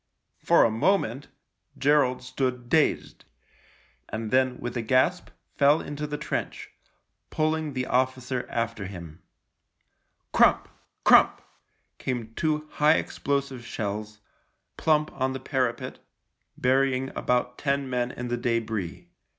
For a moment Gerald stood dazed, and then with a gasp fell into the trench, pulling the officer after him. Crump, crump came two high explosive shells — plump on the parapet — burying about ten men in the debris.